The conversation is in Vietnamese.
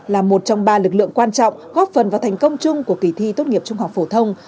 là một trong ba lực lượng quan trọng góp phần vào thành công chung của kỳ thi tốt nghiệp trung học phổ thông